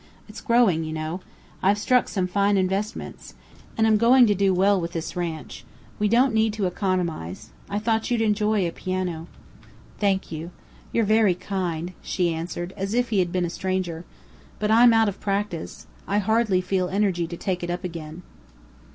"It's growing, you know. I've struck some fine investments. And I'm going to do well with this ranch. We don't need to economize. I thought you'd enjoy a piano." "Thank you. You're very kind," she answered, as if he had been a stranger. "But I'm out of practice. I hardly feel energy to take it up again."